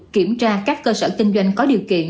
kiểm tra các cơ sở kinh doanh có điều kiện